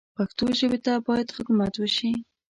پښتو ژبې ته باید خدمت وشي